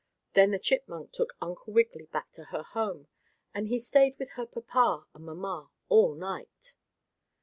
Then the chipmunk took Uncle Wiggily back to her home, and he stayed with her papa and mamma all night.